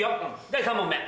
第３問目。